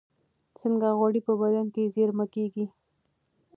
څنګه غوړ په بدن کې زېرمه کېږي؟